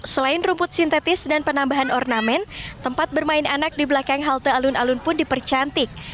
selain rumput sintetis dan penambahan ornamen tempat bermain anak di belakang halte alun alun pun dipercantik